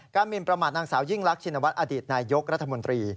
หมินประมาทนางสาวยิ่งรักชินวัฒนอดีตนายยกรัฐมนตรี